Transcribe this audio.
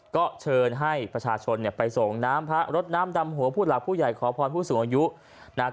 ก็เชิญให้ประชาชนไปส่งน้ำพระรดน้ำดำหัวผู้หลักผู้ใหญ่ขอพรผู้สูงอายุนะครับ